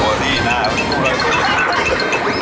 โทษทีนะโมลลายโมลลาย